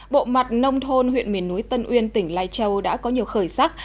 bộ mặt nông thôn huyện miền núi tân uyên tỉnh lai châu đã có nhiều khởi sắc